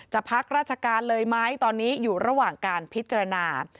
พักราชการเลยไหมตอนนี้อยู่ระหว่างการพิจารณา